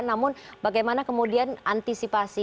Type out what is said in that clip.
namun bagaimana kemudian antisipasi